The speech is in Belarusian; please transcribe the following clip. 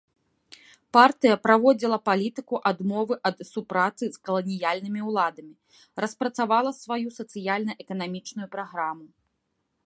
Партыя праводзіла палітыку адмовы ад супрацы з каланіяльнымі ўладамі, распрацавала сваю сацыяльна-эканамічную праграму.